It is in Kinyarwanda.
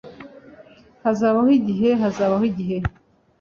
Hazabaho igihe, hazabaho igihe